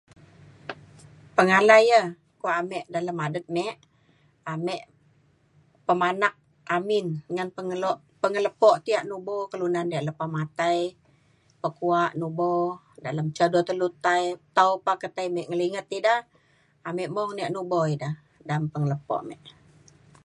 Pengalai ya kua' ame dalem adet mek amek pemanak amin ngan pengelok peng lepo ya nubo kelunan ya lepa matai peng kua' nubo ya alem ca telo tai tau pah ketai ngeliget ida amek bo ya nubo ya alem peng lepo mek